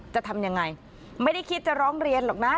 จะทำยังไงไม่ได้คิดจะร้องเรียนหรอกนะ